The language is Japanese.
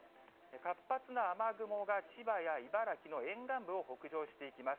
活発な雨雲が千葉や茨城の沿岸部を北上していきます。